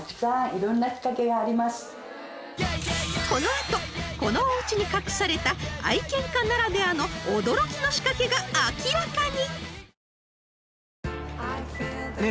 ［この後このおうちに隠された愛犬家ならではの驚きの仕掛けが明らかに］